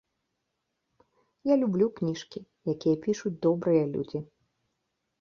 Я люблю кніжкі, якія пішуць добрыя людзі.